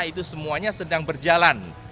itu semuanya sedang berjalan